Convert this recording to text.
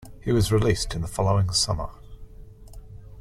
He was released in the following summer.